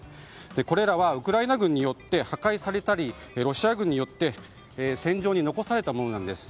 これらはウクライナ軍によって破壊されたり、ロシア軍によって戦場に残されたものなんです。